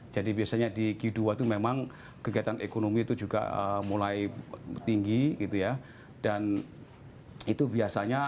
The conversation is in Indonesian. jadi biasanya di q dua itu memang kegiatan ekonomi itu juga mulai tinggi gitu ya dan itu biasanya